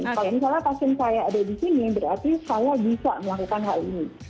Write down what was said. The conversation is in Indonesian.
kalau misalnya pasien saya ada di sini berarti saya bisa melakukan hal ini